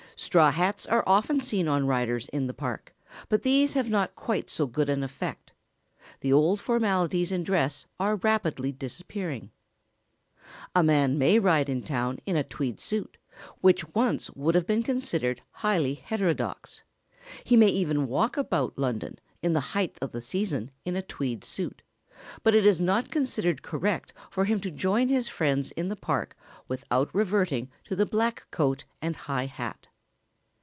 Straw hats are often seen on riders in the Park, but these have not quite so good an effect. The old formalities in dress are rapidly disappearing. [Sidenote: The scope and limitations of the tweed suit.] A man may ride in town in a tweed suit, which once would have been considered highly heterodox. He may even walk about London in the height of the season in a tweed suit, but it is not considered correct for him to join his friends in the Park without reverting to the black coat and high hat.